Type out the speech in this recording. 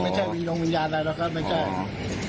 ไม่ใช่มีโรงวิญญาณอะไรแล้วก็ไม่ใช่